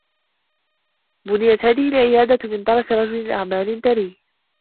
بُنيت هذه العيادة من طرف رجل أعمال ثري.